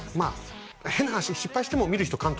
あ変な話失敗しても見る人